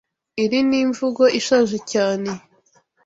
Iri ni imvugo ishaje cyane.